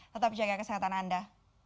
tetap jaga kesehatan anda